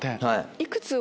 はい。